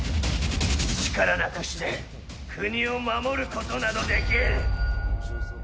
力なくして国を守ることなどできん！